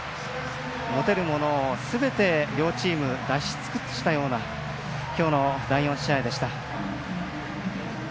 持てるものをすべて両チーム出し尽くしたようなきょうの第４試合でした。